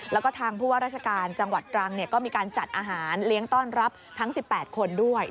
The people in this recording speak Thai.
แล้วก็ทางผู้ว่าราชการจังหวัดตรังก็มีการจัดอาหารเลี้ยงต้อนรับทั้ง๑๘คนด้วย